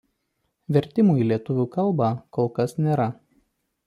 Vertimų į lietuvių kalbą kol kas nėra.